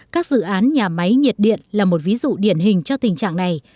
các dự án nhà máy nhiệt điện là một ví dụ điển hình cho tình trạng này